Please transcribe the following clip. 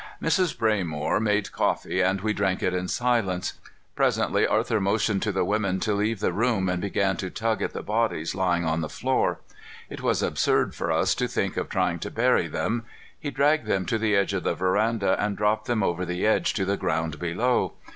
Mrs. Braymore made coffee and we drank it in silence. Presently Arthur motioned to the women to leave the room and began to tug at the bodies lying on the floor. It was absurd for us to think of trying to bury them. He dragged them to the edge of the veranda and dropped them over the edge to the ground below.